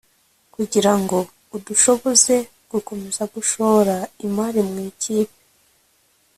kugirango idushoboze gukomeza gushora imari mu ikipe